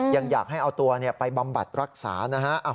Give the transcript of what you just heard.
ยังอยากให้เอาตัวไปบำบัดรักษานะฮะ